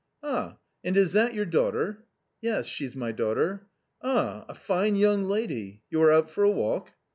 "Ah, and is. that your daughter?" " Yes, she's my daughter." " Ah, a fine young lady ! You are out for a walk